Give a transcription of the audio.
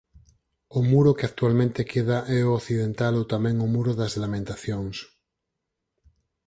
O muro que actualmente queda é o occidental ou tamén o Muro das Lamentacións.